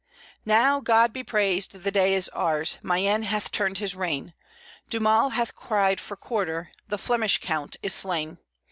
"Now, God be praised, the day is ours! Mayenne hath turned his rein, D'Aumale hath cried for quarter, the Flemish count is slain.